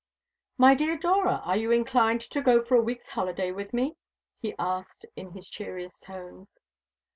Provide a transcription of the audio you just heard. "My dear Dora, are you inclined to go for a week's holiday with me?" he asked, in his cheeriest tones.